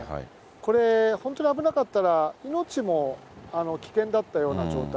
これ、本当に危なかったら、命も危険だったような状態。